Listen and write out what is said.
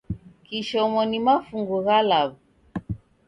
Kishomo ni mafungu gha law'u.